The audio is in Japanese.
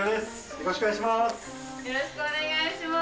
よろしくお願いします。